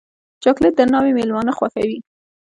چاکلېټ د ناوې مېلمانه خوښوي.